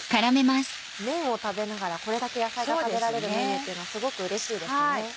めんを食べながらこれだけ野菜が食べられるメニューっていうのはすごくうれしいですね。